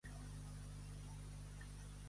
Anar fot qui fot i visca el rei!